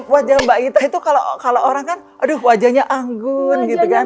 wajah mbak ita itu kalau orang kan aduh wajahnya anggun gitu kan